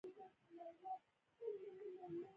• ملګری د ژوند تر ټولو خوږه ډالۍ ده.